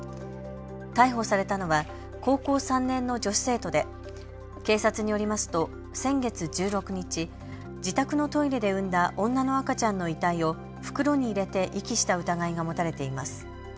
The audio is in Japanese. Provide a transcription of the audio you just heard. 逮捕されたのは高校３年の女子生徒で警察によりますと先月１６日、自宅のトイレで産んだ女の赤ちゃんの遺体を袋に入れて遺棄した疑いが持たれています。